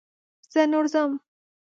زه نور ځم.